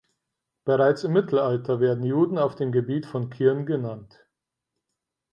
Bereits im Mittelalter werden Juden auf dem Gebiet von Kirn genannt.